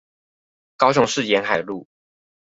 高雄市沿海路